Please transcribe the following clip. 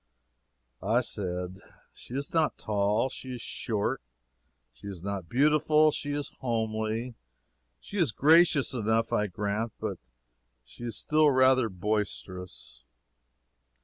I said: "She is not tall, she is short; she is not beautiful, she is homely; she is graceful enough, I grant, but she is rather boisterous."